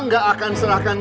jawab aku farhan